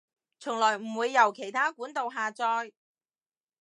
從來唔會由其它管道下載